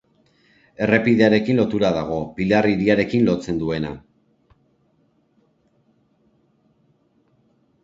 Errepidearekin lotura dago, Pilar hiriarekin lotzen duena.